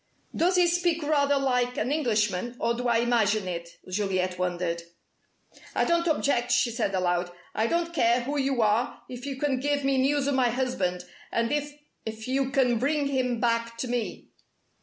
"Does he speak rather like an Englishman, or do I imagine it?" Juliet wondered. "I don't object," she said aloud. "I don't care who you are if you can give me news of my husband, and if if you can bring him back to me."